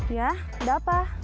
ya udah apa